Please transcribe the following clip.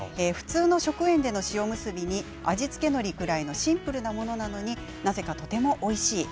普通の食塩での塩むすびに味付けのりくらいのシンプルなものなのになぜかとてもおいしい。